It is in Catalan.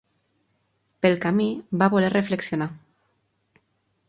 Pel camí, va voler reflexionar.